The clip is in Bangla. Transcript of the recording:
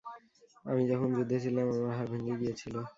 আমি যখন যুদ্ধে ছিলাম আমার হাড় ভেঙ্গে গিয়েছিল।